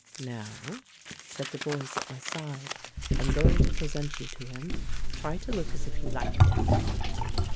"Now," said the voice at my side, "I'm going to present you to him. Try to look as if you liked it."